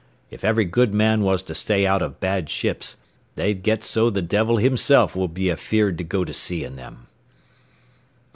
If every good man was to stay out of bad ships, they'd get so the devil himself would be afeard to go to sea in them."